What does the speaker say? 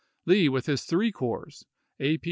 Lee with his three corps, A. P.